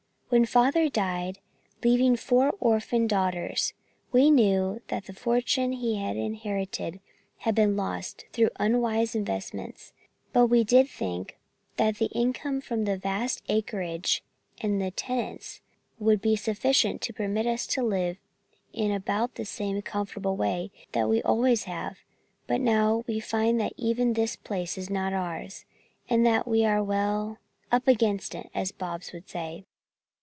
"When Father died, leaving four orphaned daughters, we knew that the fortune he had inherited had been lost through unwise investments, but we did think that the income from this vast acreage and the tenants would be sufficient to permit us to live in about the same comfortable way that we always have, but now we find that even this place is not ours and that we are well, up against it, as Bobs would say."